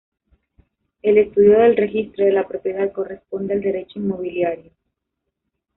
El estudio del Registro de la Propiedad corresponde al derecho inmobiliario.